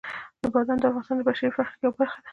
بادام د افغانستان د بشري فرهنګ یوه برخه ده.